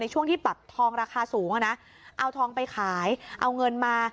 ช่วงที่แบบทองราคาสูงอ่ะนะเอาทองไปขายเอาเงินมา